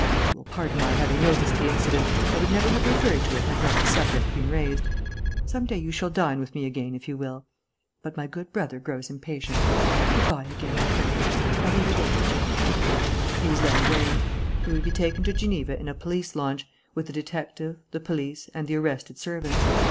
You will pardon my having noticed the incident. I would never have referred to it had not the subject been raised. Some day you shall dine with me again, if you will.... But my good brother grows impatient. Good bye again, my friends. A rivederci." He was led away. He would be taken to Geneva in a police launch, with the detective, the police, and the arrested servants.